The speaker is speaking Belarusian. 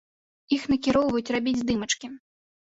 Іх накіроўваюць рабіць здымачкі.